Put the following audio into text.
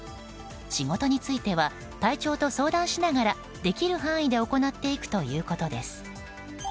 仕事については体調と相談しながらできる範囲で行っていくということです。